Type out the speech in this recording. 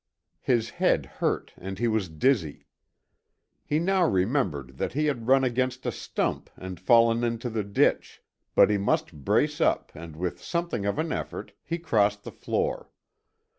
His head hurt and he was dizzy. He now remembered that he had run against a stump and fallen into the ditch; but he must brace up and with something of an effort he crossed the floor.